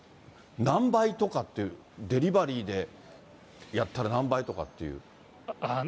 何倍とかっていう、デリバリーでやったら何倍とかっていう。